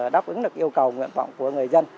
đáp ứng được yêu cầu nguyện vọng của người dân